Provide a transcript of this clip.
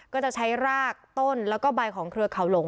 ก็จะใช้รากต้นแล้วก็ใบของเครือเขาหลง